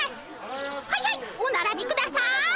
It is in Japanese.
はいはいおならびください。